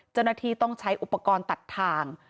เจ้าหน้าที่ต้องใช้อุปกรณ์ตัดทาง